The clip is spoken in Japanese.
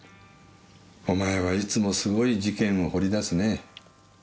お前はいつもすごい事件を掘り出すねぇ。